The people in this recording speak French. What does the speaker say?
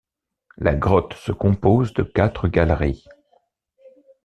La grotte se compose de quatre galeries.